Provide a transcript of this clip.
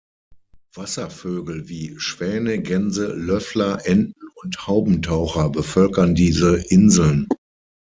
Wasservögel wie Schwäne, Gänse, Löffler, Enten und Haubentaucher bevölkern diese Inseln.